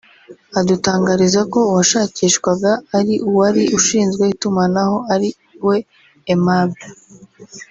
adutangariza ko uwashakishwaga ari uwari ushinzwe itumanaho ari we Aimable